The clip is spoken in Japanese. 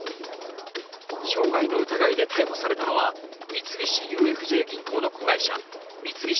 傷害の疑いで逮捕されたのは三菱ＵＦＪ銀行の子会社三菱ＵＦＪ